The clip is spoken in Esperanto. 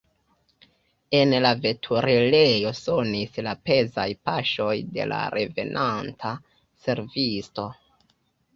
En la veturilejo sonis la pezaj paŝoj de la revenanta servisto.